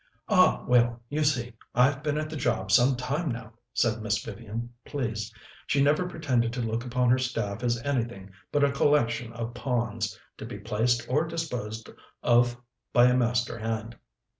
"Ah, well, you see, I've been at the job some time now," said Miss Vivian, pleased. She never pretended to look upon her staff as anything but a collection of pawns, to be placed or disposed of by a master hand.